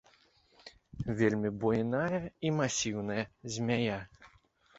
Вельмі буйная і масіўная змяя.